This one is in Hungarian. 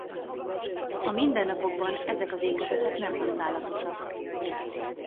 A mindennapokban ezek az ékezetek nem használatosak.